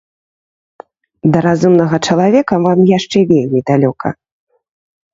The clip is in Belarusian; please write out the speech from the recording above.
Да разумнага чалавека вам яшчэ вельмі далёка.